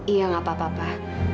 iya enggak apa apa